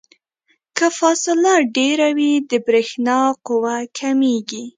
که فاصله ډیره وي د برېښنا قوه کمیږي.